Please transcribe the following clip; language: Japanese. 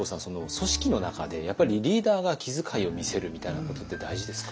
組織の中でやっぱりリーダーが気遣いを見せるみたいなことって大事ですか？